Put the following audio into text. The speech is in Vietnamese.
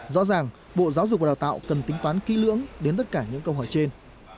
rõ ràng bộ giáo dục và đào tạo cần tính toán kỹ lưỡng đến tất cả những câu hỏi trên